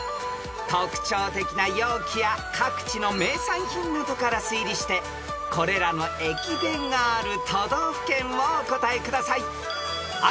［特徴的な容器や各地の名産品などから推理してこれらの駅弁がある都道府県をお答えください］